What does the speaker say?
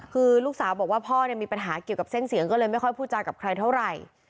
คือลูกสาวบอกว่าพ่อเนี่ยมีปัญหาเกี่ยวกับเส้นเสียงก็เลยไม่ค่อยพูดจากับใครเท่าไหร่